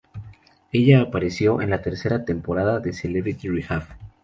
Ella apareció en la tercera temporada de "Celebrity Rehab".